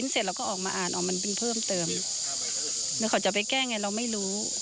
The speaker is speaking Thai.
แต่เขาจะไปแก้ยังไงเราไม่รู้